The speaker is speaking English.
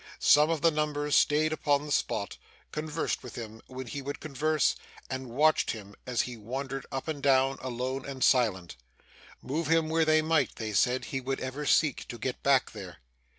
Some of the number staid upon the spot, conversed with him when he would converse, and watched him as he wandered up and down, alone and silent. Move him where they might, they said, he would ever seek to get back there.